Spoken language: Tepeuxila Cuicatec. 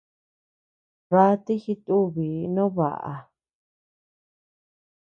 Rátii jitubi no baʼa.